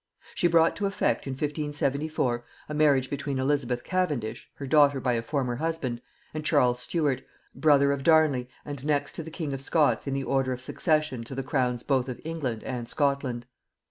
She brought to effect in 1574 a marriage between Elizabeth Cavendish, her daughter by a former husband, and Charles Stuart, brother of Darnley and next to the king of Scots in the order of succession to the crowns both of England and Scotland.